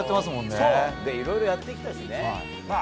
いろいろやってきたしね。